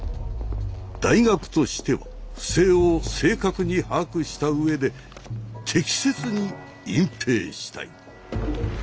大学としては不正を正確に把握した上で適切に隠蔽したい。